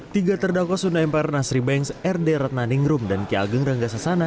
tiga terdakwa sunda empire nasri banks r d ratnaningrum dan ki ageng ranggasa sana